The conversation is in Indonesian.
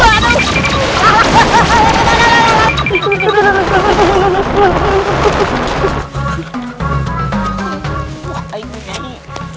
akhirnya aku mendapatkan kitab ini